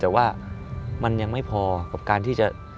แต่ว่ามันยังไม่พอกับการที่จะ